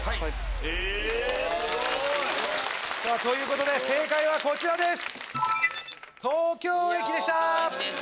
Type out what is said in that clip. えすごい！ということで正解はこちらです。